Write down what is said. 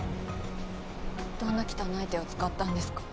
どんな汚い手を使ったんです